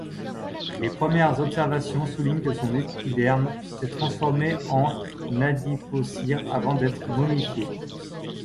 Les premières observations soulignent que son épiderme s'est transformé en adipocire avant d'être momifié.